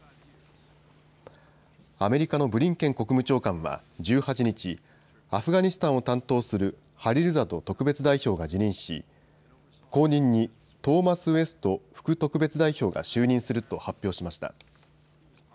アメリカのブリンケン国務長官は１８日、アフガニスタンを担当するハリルザド特別代表が辞任し後任にトーマス・ウエスト副特別代表が就任すると発表しました。